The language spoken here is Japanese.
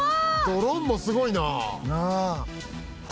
「ドローンもすごいなあ」